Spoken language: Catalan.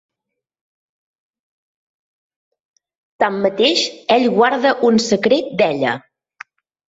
Tanmateix, ell guarda un secret d'ella.